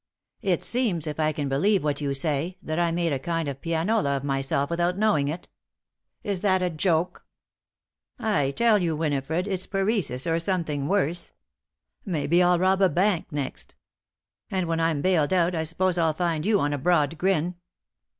It seems, if I can believe what you say, that I made a kind of pianola of myself without knowing it. Is that a joke? I tell you, Winifred, it's paresis or something worse. Maybe I'll rob a bank next. And when I'm bailed out, I suppose I'll find you on a broad grin."